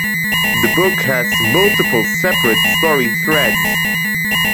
The book has multiple separate story threads.